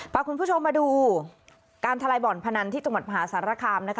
พาคุณผู้ชมมาดูการทะลายบ่อนพนันที่จังหวัดมหาสารคามนะคะ